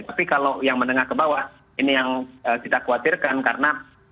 tapi kalau yang menengah ke bawah ini yang kita khawatirkan karena